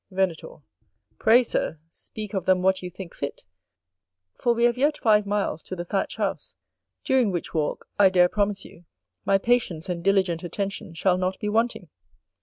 Venator. Pray, Sir, speak of them what you think fit, for we have yet five miles to the Thatched House; during which walk, I dare promise you, my patience and diligent attention shall not be wanting.